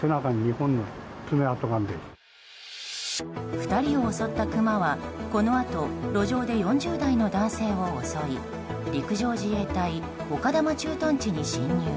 ２人を襲ったクマは、このあと路上で４０代の男性を襲い陸上自衛隊丘珠駐屯地に侵入。